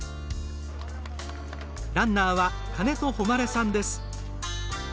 ランナーは金戸誉さんです。